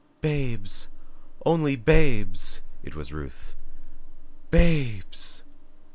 "Babes! Only babes!" It was Ruth "BABES!"